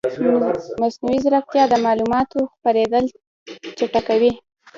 مصنوعي ځیرکتیا د معلوماتو خپرېدل چټکوي.